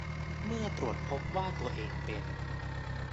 เมื่อตรวจพบว่าตัวเองเป็น